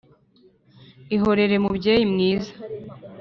ihorere mubyeyi mwiza